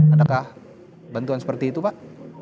adakah bantuan seperti itu pak